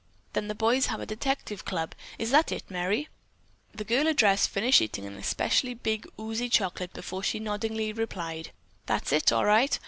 "Then the boys have a detective club. Is that it, Merry?" The girl addressed finished eating an especially big oozy chocolate before she noddingly replied: "That's it, all right.